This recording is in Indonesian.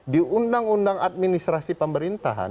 di undang undang administrasi pemerintahan